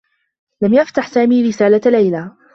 لم يفتح سامي رسالة ليلى.